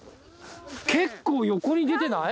結構横に出てない？